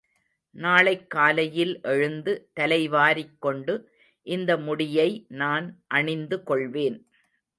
நாளைக் காலையில் எழுந்து தலைவாரிக் கொண்டு இந்த முடியை நான் அணிந்து கொள்வேன்.